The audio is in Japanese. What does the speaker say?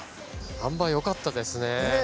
あん馬、良かったですね。